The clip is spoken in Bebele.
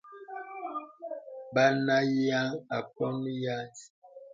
Bə nə nyéaŋ akɔŋɔ yə̀s.